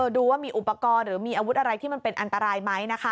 ดูว่ามีอุปกรณ์หรือมีอาวุธอะไรที่มันเป็นอันตรายไหมนะคะ